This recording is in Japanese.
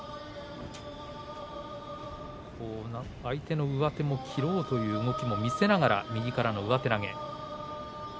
相手の上手も切ろうという動きも見せながら右からの上手投げ。